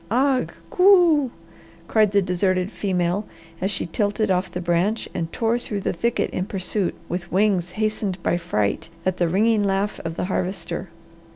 "A'gh coo!" cried the deserted female as she tilted off the branch and tore through the thicket in pursuit, with wings hastened by fright at the ringing laugh of the Harvester.